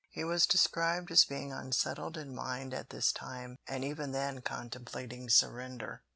He is described as being unsettled in mind at this time, and even then contemplating surrender.